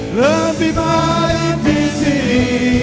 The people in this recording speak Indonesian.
lebih baik disini